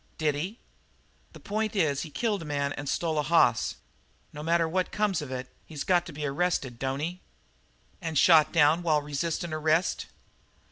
"Did he?" "The point is he killed a man and stole a hoss. No matter what comes of it, he's got to be arrested, don't he?" "And shot down while 'resistin' arrest'?